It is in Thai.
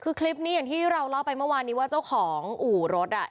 คือคลิปนี้อย่างที่เราเล่าไปเมื่อวานนี้ว่าเจ้าของอู่รถอ่ะ